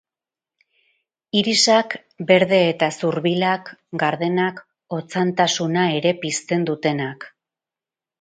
Irisak, berde eta zurbilak, gardenak, otzantasuna ere pizten dutenak.